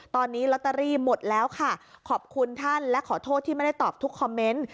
ตอนนี้ลอตเตอรี่หมดแล้วค่ะขอบคุณท่านและขอโทษที่ไม่ได้ตอบทุกคอมเมนต์